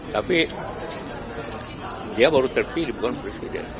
tapi dia baru terpilih bukan presiden